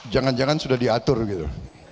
jangan jangan sudah diatur gitu